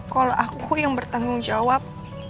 kalau aku yang bertanggung jawab